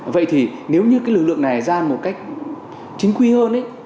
vậy thì nếu như cái lực lượng này ra một cách chính quy hơn ấy